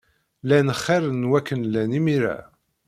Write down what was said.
Llan xir n wakken llan imir-a.